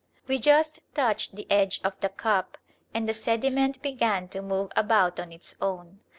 We just touched the edge of the cup, and the sediment began to move about "on its own."